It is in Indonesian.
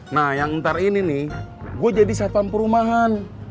nah yang ntar ini nih gue jadi satuan perumahan